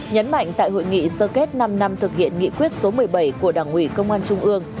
nhấn mạnh tại hội nghị sơ kết năm năm thực hiện nghị quyết số một mươi bảy của đảng ủy công an trung ương